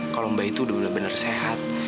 kalau mbak itu udah benar benar sehat